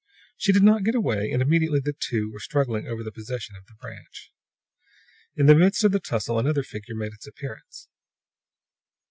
She did not get away, and immediately the two were struggling over the possession of the branch. In the midst of the tussle another figure made its appearance.